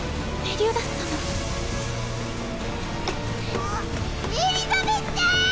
あっエリザベスちゃん！